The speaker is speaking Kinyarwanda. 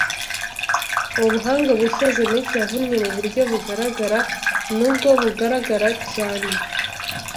Ubu buhanga bushya, Zemeki yavunnye mu buryo bugaragara nubwo bugaragara cyane